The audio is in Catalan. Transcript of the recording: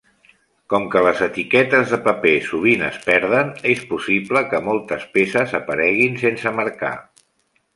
Com que les etiquetes de paper sovint es perden, és possible que moltes peces apareguin sense marcar.